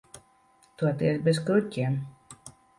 Toties bez kruķiem.